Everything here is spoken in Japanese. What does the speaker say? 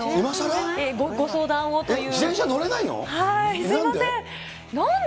ご相談をという。